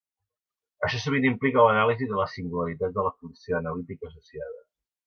Això sovint implica l'anàlisi de les singularitats de la funció analítica associada.